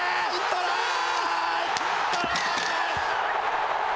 トライ！